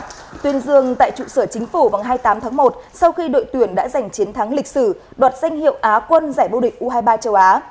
thủ tướng dương tại trụ sở chính phủ vào hai mươi tám tháng một sau khi đội tuyển đã giành chiến thắng lịch sử đoạt danh hiệu á quân giải bô địch u hai mươi ba châu á